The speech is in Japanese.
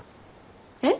えっ？